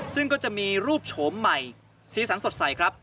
ซึ่งก็จะมีรูปโฉมใหม่สีสันสดใสครับ